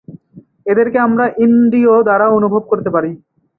এদেরকে আমরা ইন্দ্রিয় দ্বারা অনুভব করতে পারি।